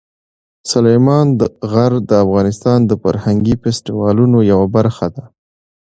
سلیمان غر د افغانستان د فرهنګي فستیوالونو یوه برخه ده.